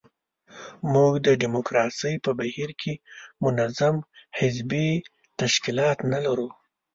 موږ د ډیموکراسۍ په بهیر کې منظم حزبي تشکیلات نه لرو.